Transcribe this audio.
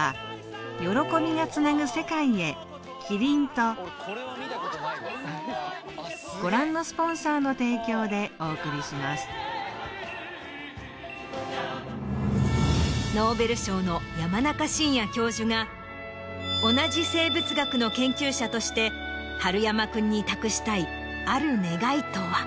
最高の渇きにＤＲＹ「アサヒスーパードライ」ノーベル賞の山中伸弥教授が同じ生物学の研究者として春山君に託したいある願いとは。